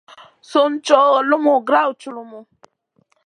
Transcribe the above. Sùn cow lumu grawd culumu.